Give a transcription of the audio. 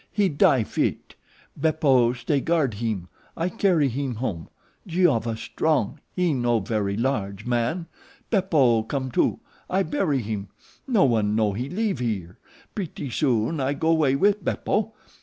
He die fit. Beppo stay guard heem. I carry heem home. Giova strong, he no very large man. Beppo come too. I bury heem. No one know we leeve here. Pretty soon I go way with Beppo.